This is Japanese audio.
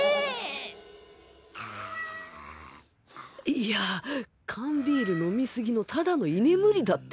いや缶ビール飲み過ぎのただの居眠りだって！